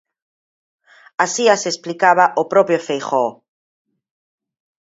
Así as explicaba o propio Feijóo.